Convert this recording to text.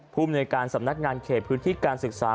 ภูมิในการสำนักงานเขตพื้นที่การศึกษา